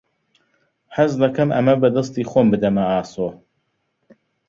حەز دەکەم ئەمە بە دەستی خۆم بدەمە ئاسۆ.